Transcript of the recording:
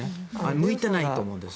向いてないと思うんです。